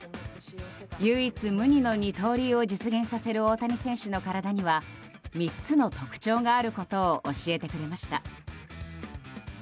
唯一無二の二刀流を実現させる大谷選手の体には３つの特徴があることを教えてくれました。